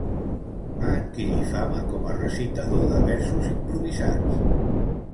Va adquirir fama com a recitador de versos improvisats.